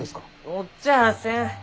載っちゃあせん！